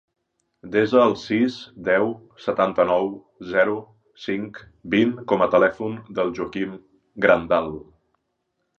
Desa el sis, deu, setanta-nou, zero, cinc, vint com a telèfon del Joaquín Grandal.